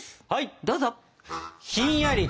どうぞ。